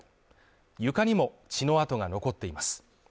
床にも血の跡が残っています。